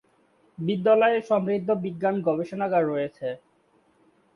বিদ্যালয়ে সমৃদ্ধ বিজ্ঞান গবেষণাগার রয়েছে।